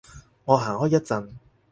我行開一陣